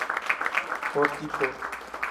Horti Bot.